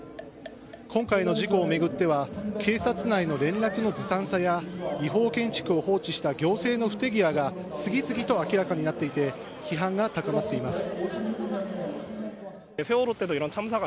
今回の事故を巡っては警察内の連絡のずさんさや違法建築を放置した行政の不手際が次々と明らかになっていて批判が高まっています。